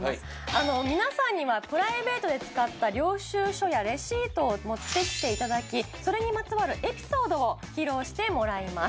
皆さんにはプライベートで使った領収書やレシートを持ってきていただきそれにまつわるエピソードを披露してもらいます。